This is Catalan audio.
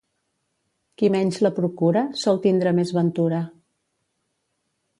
Qui menys la procura, sol tindre més ventura.